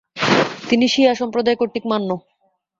তিনি শিয়া সম্প্রদায় কর্তৃক মান্য।